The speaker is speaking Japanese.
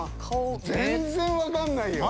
全然分かんないよ。